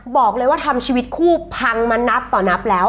บอกเลยว่าทำชีวิตคู่พังมานับต่อนับแล้ว